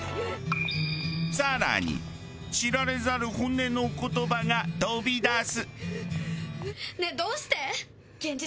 さらに知られざる本音の言葉が飛び出す。